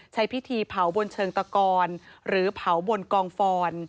ใช้พิธีเผาบนเชิงตะกอนหรือเผาบนกองฟอน